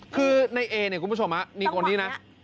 คือในเอเนี่ยคุณผู้ชมนี่คนนี้นะ